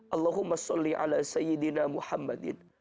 allahumma salli ala sayyidina muhammadin